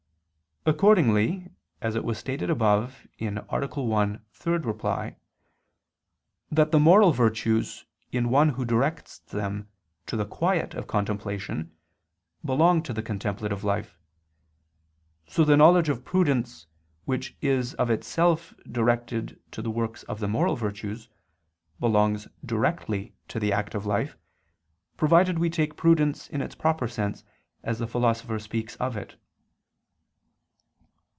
Accordingly, as it was stated above (A. 1, ad 3) that the moral virtues in one who directs them to the quiet of contemplation belong to the contemplative life, so the knowledge of prudence, which is of itself directed to the works of the moral virtues, belongs directly to the active life, provided we take prudence in its proper sense as the Philosopher speaks of it.